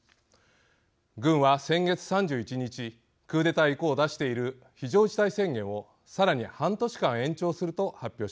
軍は先月３１日クーデター以降出している非常事態宣言をさらに半年間延長すると発表しました。